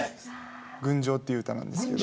「群青」っていう歌なんですけど。